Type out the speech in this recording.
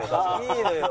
いいのよ！